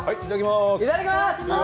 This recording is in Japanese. いただきます。